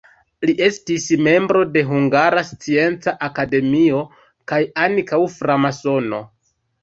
Li estis membro de Hungara Scienca Akademio kaj ankaŭ framasono.